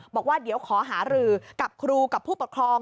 บอกว่าเดี๋ยวขอหารือกับครูกับผู้ปกครอง